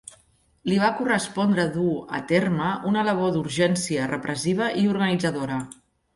Li va correspondre dur a terme una labor d'urgència repressiva i organitzadora.